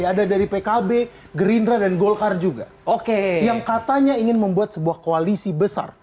ada dari pkb gerindra dan golkar juga oke yang katanya ingin membuat sebuah koalisi besar